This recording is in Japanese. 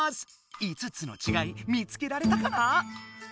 ５つのちがい見つけられたかな？